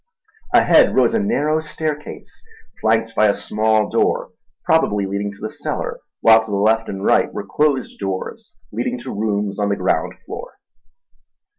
Ahead rose a narrow staircase, flanked by a small door probably leading to the cellar, while to the left and right were closed doors leading to rooms on the ground floor.